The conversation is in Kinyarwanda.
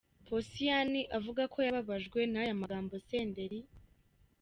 Posiyani avuga ko yababajwe naya magambo Senderi.